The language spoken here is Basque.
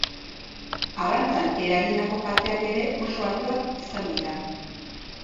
Arrantzan eragindako kalteak ere oso altuak izan dira.